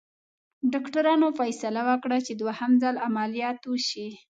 ډاکټرانو فیصله وکړه چې دوهم ځل عملیات وشي.